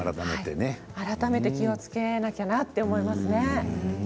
改めて気をつけなきゃなと思いますね。